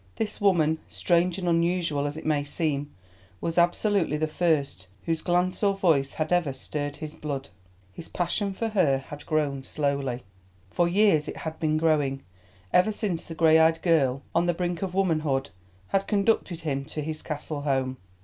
This woman, strange and unusual as it may seem, was absolutely the first whose glance or voice had ever stirred his blood. His passion for her had grown slowly; for years it had been growing, ever since the grey eyed girl on the brink of womanhood had conducted him to his castle home.